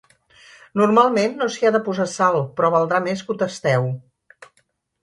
Normalment no s’hi ha de posar sal, però valdrà més que ho tasteu.